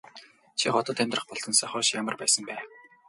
Чи хотод амьдрах болсноосоо хойш ямар байсан бэ?